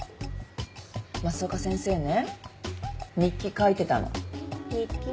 増岡先生ね日記書いてたの。日記？